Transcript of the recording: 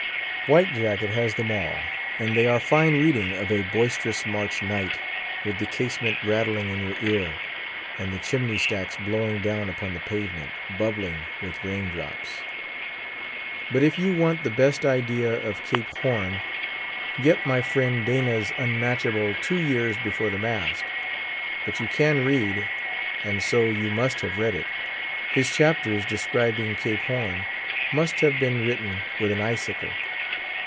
White Jacket has them all; and they are fine reading of a boisterous March night, with the casement rattling in your ear, and the chimney stacks blowing down upon the pavement, bubbling with rain drops. But if you want the best idea of Cape Horn, get my friend Dana's unmatchable "Two Years Before the Mast." But you can read, and so you must have read it. His chapters describing Cape Horn must have been written with an icicle.